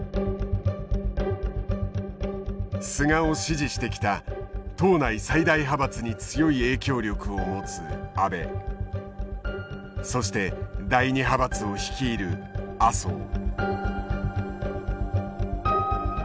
菅を支持してきた党内最大派閥に強い影響力を持つ安倍そして第２派閥を率いる麻生。